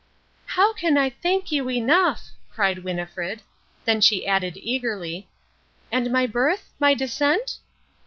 "How can I thank you enough?" cried Winnifred. Then she added eagerly, "And my birth, my descent?"